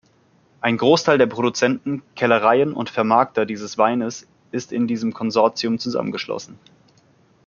Ein Großteil der Produzenten, Kellereien und Vermarkter dieses Weines ist in diesem Konsortium zusammengeschlossen.